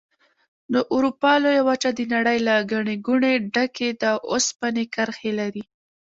د اروپا لویه وچه د نړۍ له ګڼې ګوڼې ډکې د اوسپنې کرښې لري.